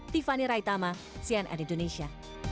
tiffany raitama cnn indonesia